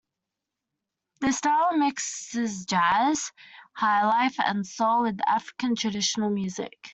The style mixes jazz, highlife, and soul with African traditional music.